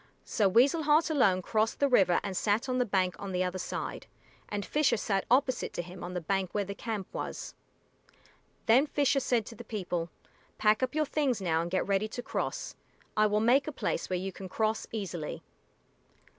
So Weasel Heart alone crossed the river and sat on the bank on the other side, and Fisher sat opposite to him on the bank where the camp was. Then Fisher said to the people, "Pack up your things now and get ready to cross. I will make a place where you can cross easily."